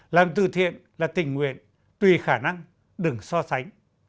làm từ thiện là tình nguyện tùy khả năng đừng so sánh